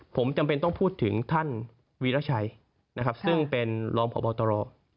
ผมจำเป็นต้องพูดถึงท่านวีรชัยซึ่งเป็นรองผ่อบอตรอ